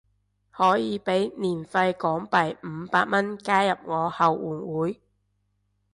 可以俾年費港幣五百蚊加入我後援會